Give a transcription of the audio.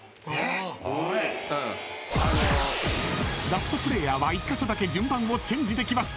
［ラストプレーヤーは１カ所だけ順番をチェンジできます］